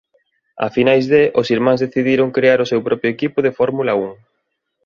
A finais de os irmáns decidiron crear o seu propio equipo de Fórmula Un.